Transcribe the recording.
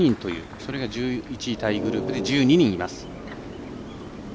それが１１位タイグループで１２人います。